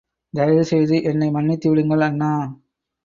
தயவு செய்து என்னை மன்னித்து விடுங்கள் அண்ணா.